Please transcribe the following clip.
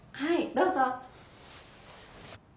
どうぞ。